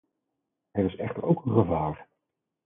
Er is echter ook een gevaar.